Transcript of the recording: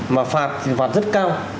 mà phạt thì phạt rất cao